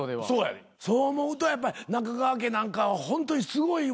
そう思うとやっぱり中川家なんかはホントすごいわ。